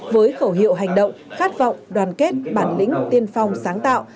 với khẩu hiệu hành động khát vọng đoàn kết bản lĩnh tiên phong sáng tạo